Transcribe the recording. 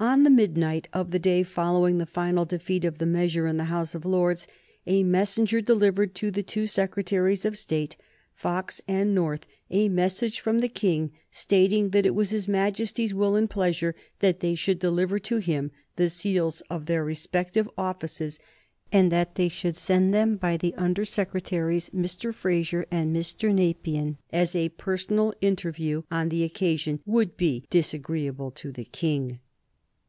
On the midnight of the day following the final defeat of the measure in the House of Lords a messenger delivered to the two Secretaries of State, Fox and North, a message from the King stating that it was his Majesty's will and pleasure that they should deliver to him the seals of their respective offices, and that they should send them by the Under Secretaries, Mr. Frazer and Mr. Nepean, as a personal interview on the occasion would be disagreeable to the King.